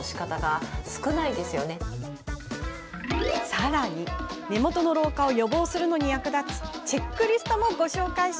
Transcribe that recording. さらに、目元の老化を予防するのに役立つチェックリストもご紹介。